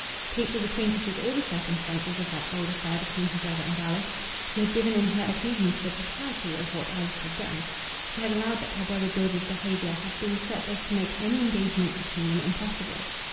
Kate was acquainted with all the circumstances of that old affair between her brother and Alice. She had given in her adhesion to the propriety of what Alice had done. She had allowed that her brother George's behaviour had been such as to make any engagement between them impossible.